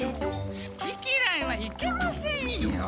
すききらいはいけませんよ！